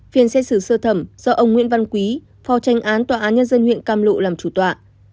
phiên xét xử sơ thẩm do ông nguyễn văn quý phò tranh án tòa án nhân dân huyện cam lộ làm chủ tọa